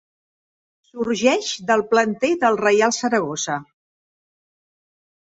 Sorgeix del planter del Reial Saragossa.